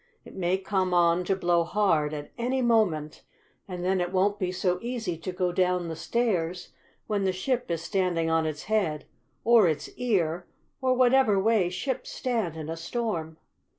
It may come on to blow hard at any moment, and then it won't be so easy to go down the stairs when the ship is standing on its head, or its ear, or whatever way ships stand in a storm."